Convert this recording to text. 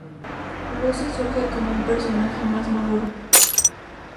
Lucy surge como un personaje más maduro.